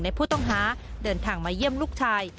ผู้ต้องหาเดินทางมาเยี่ยมลูกชาย